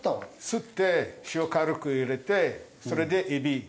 すって塩軽く入れてそれでえびと玉ねぎ。